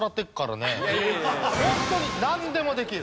ホントになんでもできる。